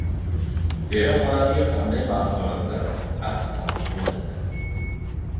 Teri holatiga qanday mahsulotlar aks ta’sir ko‘rsatadi?